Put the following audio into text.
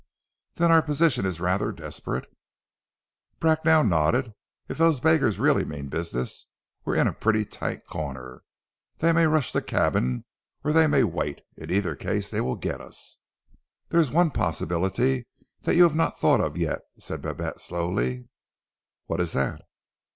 "Then our position is rather desperate?" Bracknell nodded. "If those beggars really mean business, we're in a pretty tight corner. They may rush the cabin or they may wait. In either case they will get us!" "There is one possibility that you have not thought of yet," said Babette slowly. "What is that?"